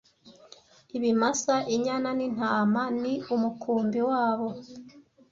ibimasa inyana n'intama ni umukumbi wabo